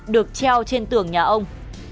được treo trên tường nhà ông